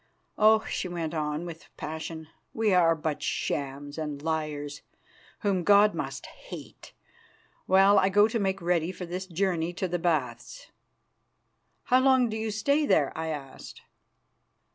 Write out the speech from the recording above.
Oh!" She went on with passion, "we are but shams and liars, whom God must hate. Well, I go to make ready for this journey to the Baths." "How long do you stay there?" I asked.